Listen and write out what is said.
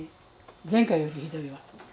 前回よりもひどいわ。